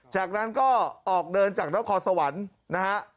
จากนั้นก็ออกเดินจากนครสวรรค์นะฮะ